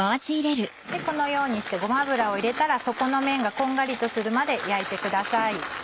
このようにしてごま油を入れたら底の面がこんがりとするまで焼いてください。